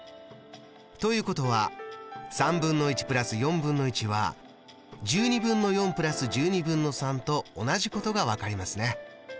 ということは＋は＋と同じことが分かりますね。